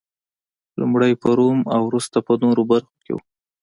لومړی په روم او وروسته په نورو برخو کې و